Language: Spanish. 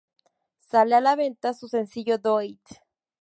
Sale a la venta su sencillo ""Do it!